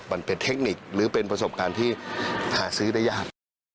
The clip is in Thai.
มันเป็นเทคนิคหรือเป็นประสบการณ์ที่หาซื้อได้ยาก